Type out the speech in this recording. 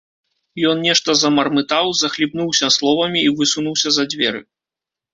Ён нешта замармытаў, захліпнуўся словамі і высунуўся за дзверы.